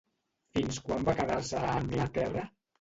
Fins quan va quedar-se a Anglaterra?